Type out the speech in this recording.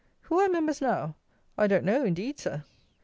"Who are Members now?" "I don't know, indeed, Sir."